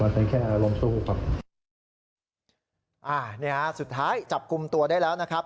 ตอนแรกคิดว่าจะอยู่ครับ